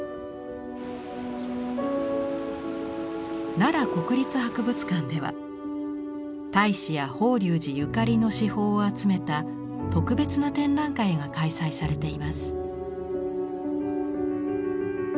奈良国立博物館では太子や法隆寺ゆかりの至宝を集めた特別な展覧会が開催されています。